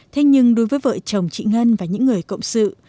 thế nhưng đối với vợ chồng chị ngân và những người cộng sự